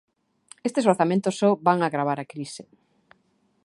Estes orzamentos só "van agravar a crise".